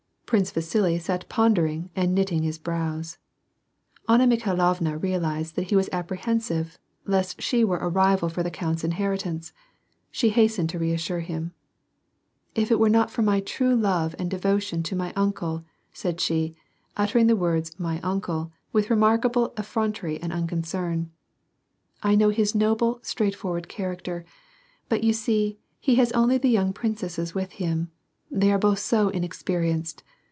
Prince Vasili sat pondering and knitting his brows. Anna Mikhailovna realized that he was apprehensive lest she were a rival for the count's inheritance. IShe hastened to reassure him. " If it were not for my true love and devotion to my uncW^ said she, uttering the words, my uncle, with remarkable effrontery and unconcern — "I know his noble, straightfor ward character; but you see, he has only the young princesses with him : they are both so inexperienced."